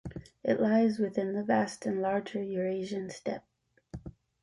It lies within the vast and larger Eurasian Steppe.